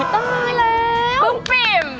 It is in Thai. ตายแล้วปุ่มปิ่ม